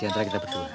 ya ntar kita berdua